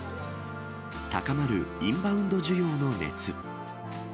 高まるインバウンド需要の熱。